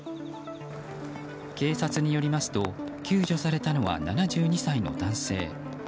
警察によりますと救助されたのは７２歳の男性。